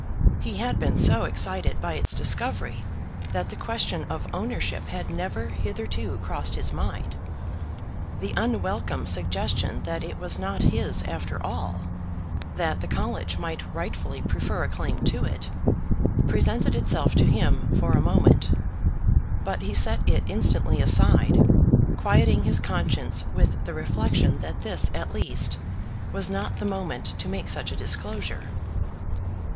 He had been so excited by its discovery that the question of ownership had never hitherto crossed his mind. The unwelcome suggestion that it was not his after all, that the College might rightfully prefer a claim to it, presented itself to him for a moment; but he set it instantly aside, quieting his conscience with the reflection that this at least was not the moment to make such a disclosure.